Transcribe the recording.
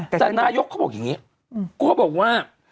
แต่นายกเขาบอกอย่างนี้เขาบอกว่า